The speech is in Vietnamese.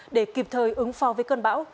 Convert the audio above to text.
để kịp thời ứng phong với cơn bão